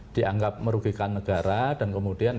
dianggap merugikan negara dan kemudian